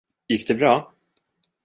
Gick det bra?